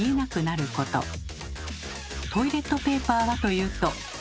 トイレットペーパーはというと。